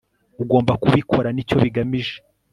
ugomba kubikora, n'icyo bigamije